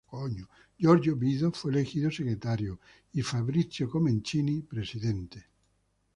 Giorgio Vido fue elegido secretario y Fabrizio Comencini presidente.